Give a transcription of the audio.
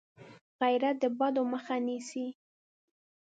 غیرت د بدو مخه نیسي